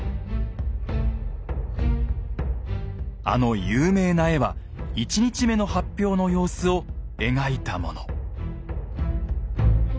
あの有名な絵は１日目の発表の様子を描いたもの。